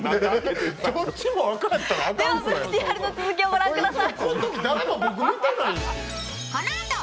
ではＶＴＲの続きをご覧ください。